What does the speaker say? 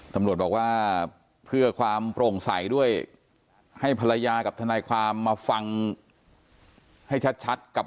ตำรวจบอกว่าเพื่อความโปร่งใสด้วยให้ภรรยากับทนายความมาฟังให้ชัดกับ